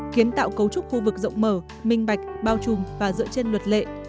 kiến tạo cấu trúc khu vực rộng mở minh bạch bao trùm và dựa trên luật lệ